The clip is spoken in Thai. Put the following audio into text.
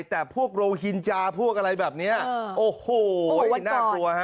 แต่พวกโรฮินจาพวกอะไรแบบนี้โอ้โหน่ากลัวฮะ